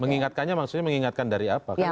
mengingatkannya maksudnya mengingatkan dari apa